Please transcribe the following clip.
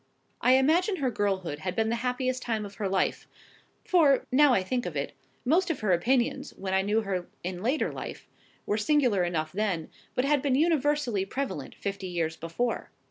I imagine her girlhood had been the happiest time of her life; for, now I think of it, most of her opinions, when I knew her in later life, were singular enough then, but had been universally prevalent fifty years before.